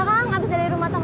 lo coba seperti anjir masih